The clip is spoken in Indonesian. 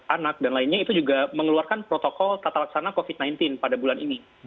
anak dan lainnya itu juga mengeluarkan protokol tata laksana covid sembilan belas pada bulan ini